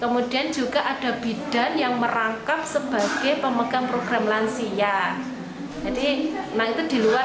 kemudian juga ada bidan yang merangkap sebagai pemegang program lansia jadi nah itu di luar